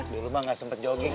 dulu mah gak sempat jogging